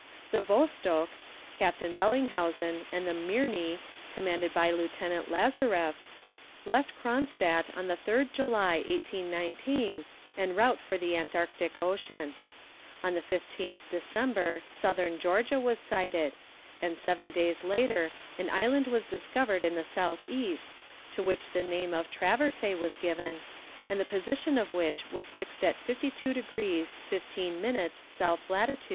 The Vostok, Captain Bellinghausen, and the Mirni, commanded by Lieutenant Lazarew, left Cronstadt on the 3rd July, 1819, en route for the Antarctic Ocean. On the 15th December Southern Georgia was sighted, and seven days later an island was discovered in the south east, to which the name of Traversay was given, and the position of which was fixed at 52 degrees 15 minutes S. lat.